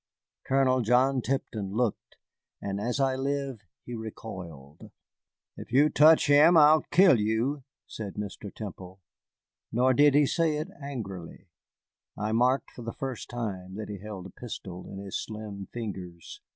Colonel John Tipton looked, and as I live he recoiled. "If you touch him, I'll kill you," said Mr. Temple. Nor did he say it angrily. I marked for the first time that he held a pistol in his slim fingers.